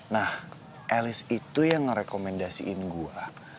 nah elis itu yang nge rekomendasiin gue